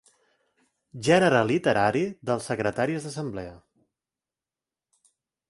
Gènere literari dels secretaris d'assemblea.